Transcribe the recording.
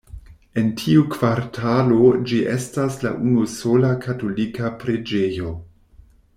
En tiu kvartalo ĝi estas la unusola katolika preĝejo.